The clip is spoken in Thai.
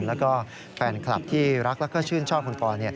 แล้วก็แฟนคลับที่รักแล้วก็ชื่นชอบคุณปอน